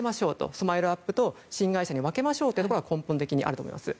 ＳＭＩＬＥ‐ＵＰ．と新会社に分けましょうというのが根本的にあると思います。